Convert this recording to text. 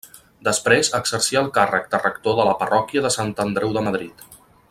Després exercí el càrrec de rector de la parròquia de Sant Andreu de Madrid.